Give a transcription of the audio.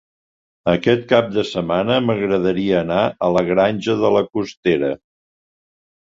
Aquest cap de setmana m'agradaria anar a la Granja de la Costera.